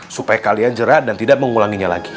supaya kalian jerah dan tidak mengulanginya lagi